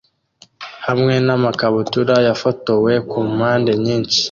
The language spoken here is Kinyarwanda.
hamwe namakabutura yafotowe kumpande nyinshi